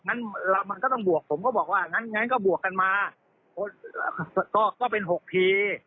งั้นเรามันก็ต้องบวกผมก็บอกว่างั้นงั้นก็บวกกันมาก็เป็น๖ที